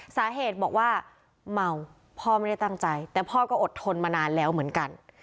สาเหตุบอกว่าเมาพ่อไม่ได้ตั้งใจแต่พ่อก็อดทนมานานแล้วเหมือนกัน